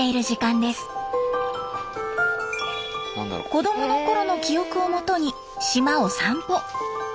子供のころの記憶をもとに島を散歩。